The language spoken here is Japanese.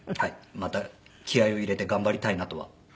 また気合を入れて頑張りたいなとは思ってますね。